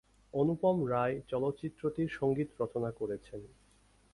অনুপম রায় চলচ্চিত্রটির সঙ্গীত রচনা করেছেন।